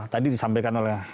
tadi disampaikan oleh